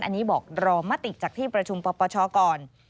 อันนี้บอกรอมติจากที่ประชุมปปชก่อน